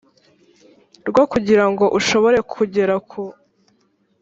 rwo kugira ngo ushobore kugera ku